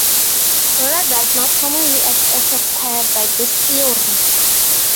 Water does not commonly act as required by this theory.